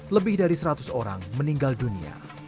lebih dari seratus orang meninggal dunia